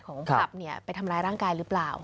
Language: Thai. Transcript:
ของผับไปทำร้ายร่างกายหรือเปล่า